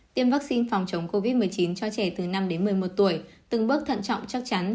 tiêm vaccine phòng chống covid một mươi chín cho trẻ từ năm đến một mươi một tuổi